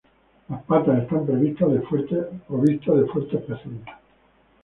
Las patas están provistas de fuertes pezuñas.